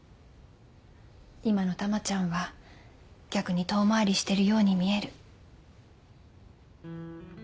今の珠ちゃんは逆に遠回りしてるように見える。